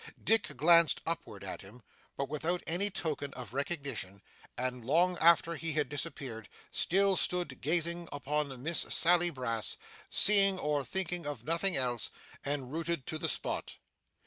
Dick glanced upward at him, but without any token of recognition; and long after he had disappeared, still stood gazing upon Miss Sally Brass, seeing or thinking of nothing else, and rooted to the spot.